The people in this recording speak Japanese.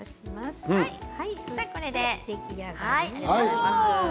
これで出来上がりになります。